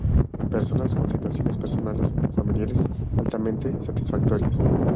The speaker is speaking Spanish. Personas con situaciones personales o familiares altamente satisfactorias.